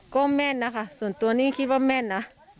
ก็แม่นนะคะส่วนตัวนี้คิดว่าแม่นนะ